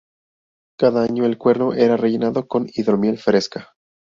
Cada año, el cuerno era rellenado con hidromiel fresca.